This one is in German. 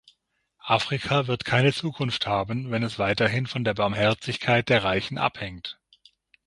Afrika wird keine Zukunft haben, wenn es weiterhin von der Barmherzigkeit der Reichen abhängt.